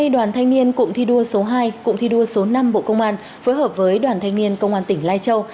hai mươi đoàn thanh niên cụm thi đua số hai cụm thi đua số năm bộ công an phối hợp với đoàn thanh niên công an tỉnh lai châu